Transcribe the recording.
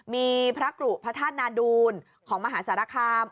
มีพระกรุพระธาตุนาดูลของมหาสารคาม